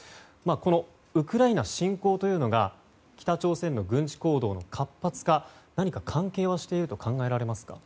このウクライナ侵攻というのは北朝鮮の軍事行動の活発化に何か関係していると思われますか？